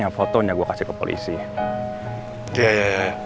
pirahan maksudnya alamat